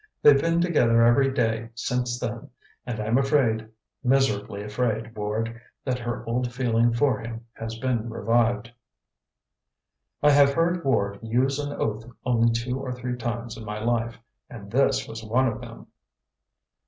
They've been together every day since then, and I'm afraid miserably afraid, Ward that her old feeling for him has been revived." I have heard Ward use an oath only two or three times in my life, and this was one of them.